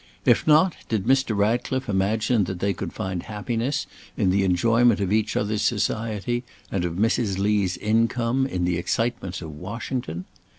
If not, did Mr. Ratcliffe imagine that they could find happiness in the enjoyment of each other's society, and of Mrs. Lee's income, in the excitements of Washington?